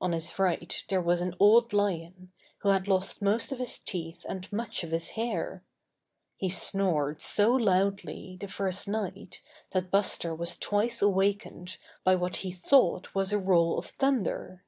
On his right there was an old Lion, who had lost most of his teeth and much of his hair. He snored so loudly the first night that Buster was twice awakened by what he thought was the roll of thunder.